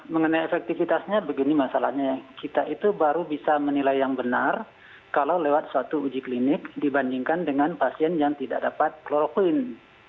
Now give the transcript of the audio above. mengenai efektivitasnya begini masalahnya kita itu baru bisa menilai yang benar kalau lewat suatu uji klinik dibandingkan dengan pasien yang tidak dapat kloroquine